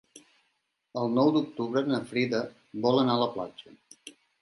El nou d'octubre na Frida vol anar a la platja.